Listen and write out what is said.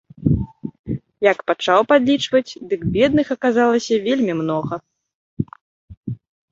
Як пачаў падлічваць, дык бедных аказалася вельмі многа.